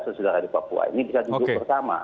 sesudah di papua ini bisa duduk bersama